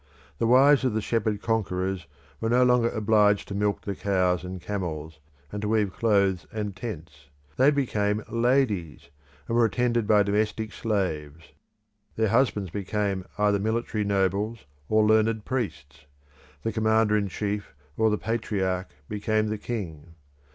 The wives of the shepherd conquerors were no longer obliged to milk the cows and camels, and to weave clothes and tents; they became ladies, and were attended by domestic slaves. Their husbands became either military nobles or learned priests; the commander in chief or patriarch became the king.